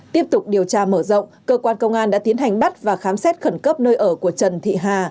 tiếp tục điều tra mở rộng cơ quan công an đã tiến hành bắt và khám xét khẩn cấp nơi ở của trần thị hà